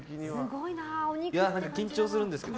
緊張するんですけど。